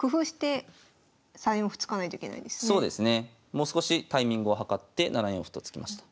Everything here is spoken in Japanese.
もう少しタイミングを計って７四歩と突きました。